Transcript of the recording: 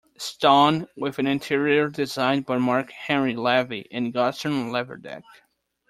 Stone, with an interior designed by Marc-Henri Levy and Gaston Laverdet.